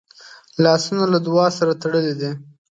لاسونه له دعا سره تړلي دي